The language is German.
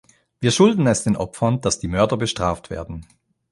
Wir schulden es den Opfern, dass die Mörder bestraft werden.